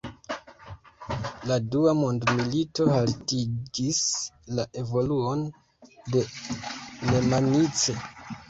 La dua mondmilito haltigis la evoluon de Nemanice.